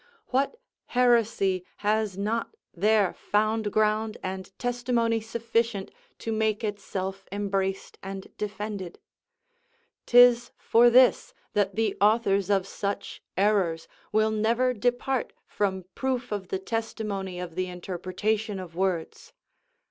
What heresy has not there found ground and testimony sufficient to make itself embraced and defended! 'Tis for this that the authors of such errors will never depart from proof of the testimony of the interpretation of words.